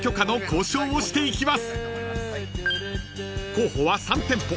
［候補は３店舗］